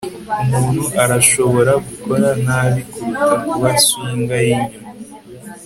umuntu arashobora gukora nabi kuruta kuba swinger yinyoni